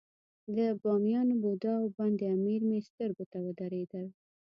د بامیانو بودا او بند امیر مې سترګو ته ودرېدل.